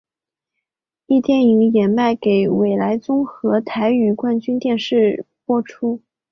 壹电视也卖给纬来综合台与冠军电视播出。